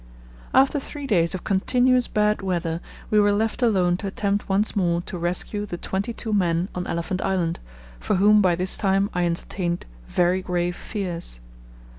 After three days of continuous bad weather we were left alone to attempt once more to rescue the twenty two men on Elephant Island, for whom by this time I entertained very grave fears.